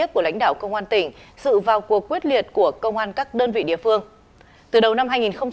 của lãnh đạo công an tỉnh sự vào cuộc quyết liệt của công an các đơn vị địa phương từ đầu năm hai nghìn hai mươi ba